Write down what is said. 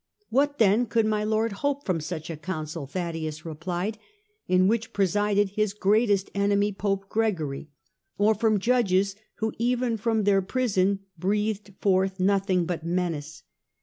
" What then could my Lord hope from such a council," Thaddaeus replied, " in which presided his greatest enemy, Pope Gregory, or from judges who even from their prison breathed forth nothing but menace